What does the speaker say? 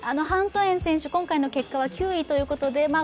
ハン・ソエン選手、今回の結果は９位ということで